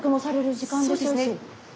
そうですね。